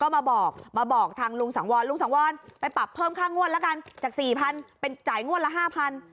มาบอกมาบอกทางลุงสังวรลุงสังวรไปปรับเพิ่มค่างวดละกันจากสี่พันเป็นจ่ายงวดละห้าพัน